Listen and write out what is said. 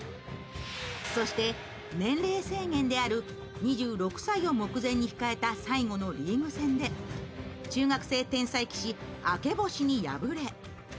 そして年齢制限である２６歳を目前に控えた最後のリーグ戦で中学生天才棋士・明星に敗れ